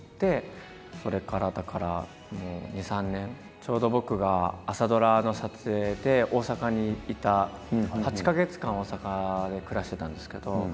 ちょうど僕が朝ドラの撮影で大阪にいた８か月間大阪で暮らしてたんですけど。